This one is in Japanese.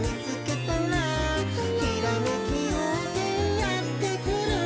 「ひらめきようせいやってくる」